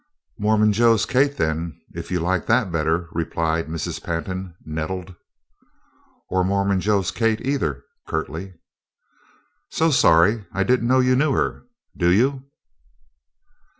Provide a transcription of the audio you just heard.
"Mormon Joe's Kate, then, if you like that better," replied Mrs. Pantin, nettled. "Or 'Mormon Joe's Kate,' either," curtly. "So sorry; I didn't know you knew her. Do you?"